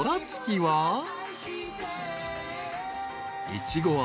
［いちご飴。